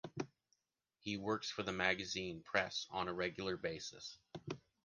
He works for the magazine press on a regular basis.